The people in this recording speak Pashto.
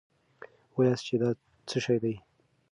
وواياست چې دا څه شی دی.